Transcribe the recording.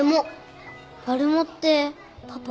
マルモってパパ？